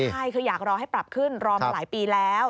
ใช่คืออยากรอให้ปรับขึ้นรอมาหลายปีแล้ว